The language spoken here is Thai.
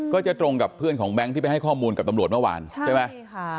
ก็จะตรงกับเพื่อนของแบงค์ที่ไปให้ข้อมูลกับตำรวจเมื่อวานใช่ไหมใช่ค่ะ